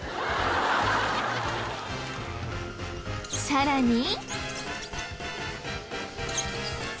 さらに。